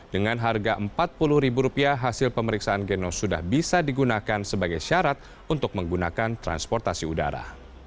dengan harga rp empat puluh hasil pemeriksaan genos sudah bisa digunakan sebagai syarat untuk menggunakan transportasi udara